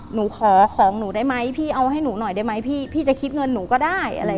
หนูขอของหนูได้ไหมพี่เอาให้หนูหน่อยได้ไหมพี่พี่จะคิดเงินหนูก็ได้